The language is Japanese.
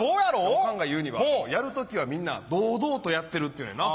おかんが言うには「やる時はみんな堂々とやってる」って言うねんな。